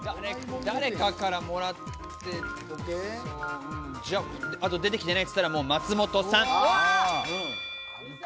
誰かからもらってあと出てきてないっていったら、松本さん。